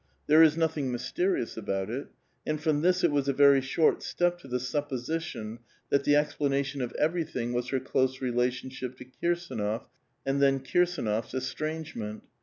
There is nothing mysterious about it. And from this it was a very short step to the supposition that the explanation of everything was her close relationship to Kirsdnof and then Kirsdnof's estrangement.